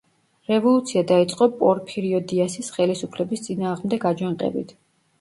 რევოლუცია დაიწყო პორფირიო დიასის ხელისუფლების წინააღმდეგ აჯანყებით.